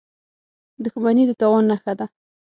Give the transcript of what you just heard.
• دښمني د تاوان نښه ده.